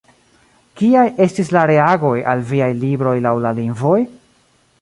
Kiaj estis la reagoj al viaj libroj laŭ la lingvoj?